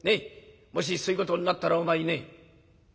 もしそういうことになったらお前ね